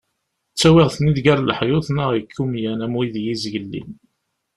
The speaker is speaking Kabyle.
Ttawiɣ-ten-id gar leḥyuḍ-a neɣ deg yimukan am wid n yizgelli.